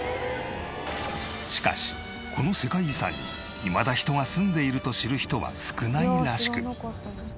しかしこの世界遺産にいまだ人が住んでいると知る人は少ないらしく。